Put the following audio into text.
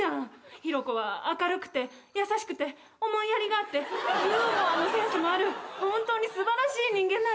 ヒロコは明るくて優しくて思いやりがあってユーモアのセンスもあるほんとにすばらしい人間なんだから。